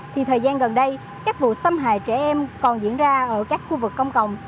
thì thời gian gần đây các vụ xâm hại trẻ em còn diễn ra ở các khu vực công cộng